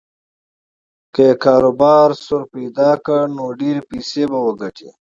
که یې کاروبار سور پیدا کړ نو ډېرې پیسې به وګټي.